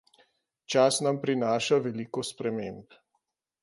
Čas nam prinaša veliko sprememb.